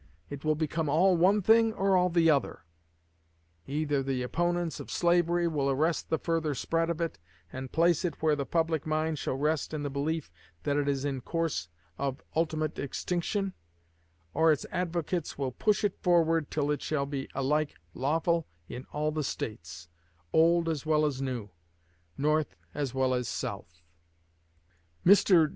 It will become all one thing or all the other. Either the opponents of slavery will arrest the further spread of it, and place it where the public mind shall rest in the belief that it is in course of ultimate extinction, or its advocates will push it forward till it shall become alike lawful in all the States old as well as new North as well as South. Mr.